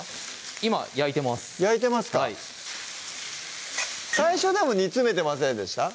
今焼いてます焼いてますか最初でも煮詰めてませんでした？